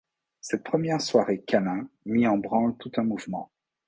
Cette première soirée câlin mit en branle tout un mouvement.